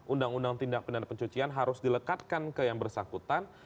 uu tindak pindana pencucian harus dilekatkan ke yang bersahkutan